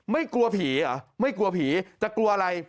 กลัวผีเหรอไม่กลัวผีจะกลัวอะไร